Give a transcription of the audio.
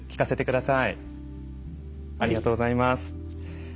ありがとうございます。